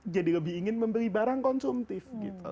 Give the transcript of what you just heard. jadi lebih ingin membeli barang konsumtif